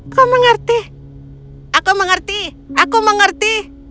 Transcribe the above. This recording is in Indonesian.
aku mengerti aku mengerti aku mengerti